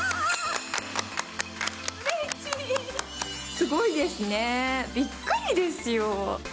すごいですねびっくりですよ。